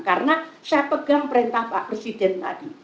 karena saya pegang perintah pak presiden tadi